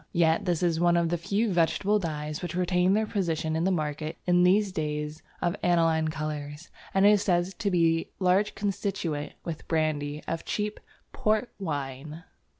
Yet this is one of the few vegetable dyes which retain their position in the market in these days of aniline colours, and it is said to be a large constituent, with brandy, of cheap "port wine."